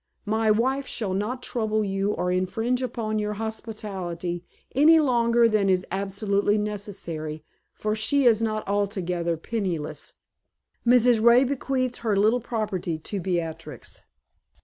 My wife shall not trouble you, or infringe upon your hospitality any longer than is absolutely necessary, for she is not altogether penniless. Mrs. Ray bequeathed her little property to Beatrix."